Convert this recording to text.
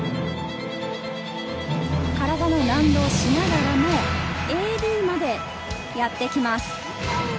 体の難度をしながらのＡＤまでやってきます。